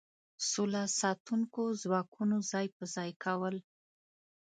سوله ساتونکو ځواکونو ځای په ځای کول.